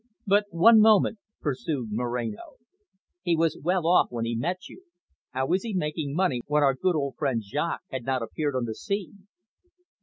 "But, one moment," pursued Moreno. "He was well off when he met you. How was he making money when our good old friend Jaques had not appeared on the scene?"